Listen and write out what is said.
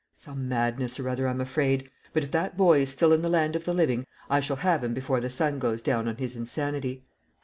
"Some madness or other, I'm afraid; but if that boy is still in the land of the living, I shall have him before the sun goes down on his insanity."